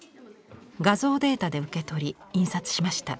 画像データで受け取り印刷しました。